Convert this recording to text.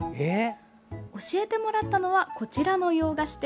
教えてもらったのはこちらの洋菓子店。